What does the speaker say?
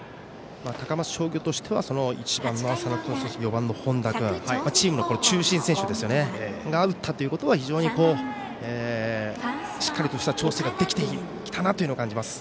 高松商業としては１番の浅野君、４番の本田君チームの中心選手が打ったということは非常にしっかりとした調整ができてきたなという感じがします。